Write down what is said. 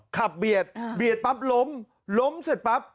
เบียดเบียดปั๊บล้มล้มเสร็จปั๊บ